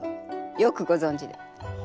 よくごぞんじで。